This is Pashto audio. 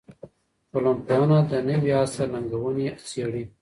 ټولنپوهنه د نوي عصر ننګونې څېړي.